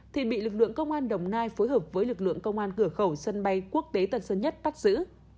thì bị lực lượng công an đồng nai phối hợp với lực lượng công an cửa khẩu sân bay quốc tế tân sơn nhất bắt giữ